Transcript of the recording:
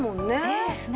そうですね。